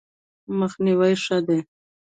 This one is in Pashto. مخنیوی ښه دی.